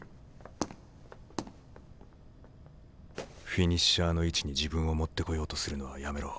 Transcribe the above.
フィニッシャーの位置に自分を持ってこようとするのはやめろ。